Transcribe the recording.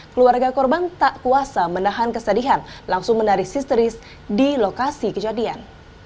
keluarga korban tak kuasa menahan kesedihan langsung menarik sisteris di lokasi kejadian